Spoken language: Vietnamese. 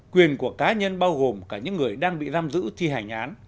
quyền của cá nhân bao gồm cả những người đang bị giam giữ thi hành án